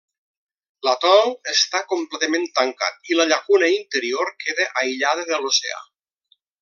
L'atol està completament tancat i la llacuna interior queda aïllada de l'oceà.